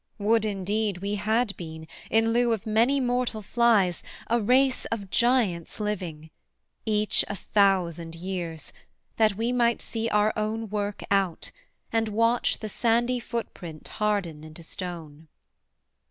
Would, indeed, we had been, In lieu of many mortal flies, a race Of giants living, each, a thousand years, That we might see our own work out, and watch The sandy footprint harden into stone.'